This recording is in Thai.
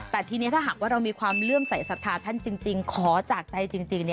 แต่ทีนี้ถ้าหากว่าเรามีความเลื่อมใสสัทธาท่านจริงขอจากใจจริง